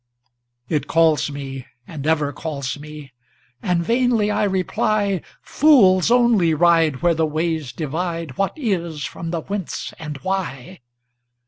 It calls me and ever calls me! And vainly I reply,"Fools only ride where the ways divideWhat Is from the Whence and Why"!